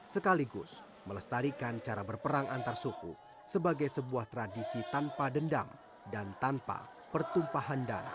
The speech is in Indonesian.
sekaligus melestarikan cara berperang antarsuku sebagai sebuah tradisi tanpa dendam dan tanpa pertumpahan darat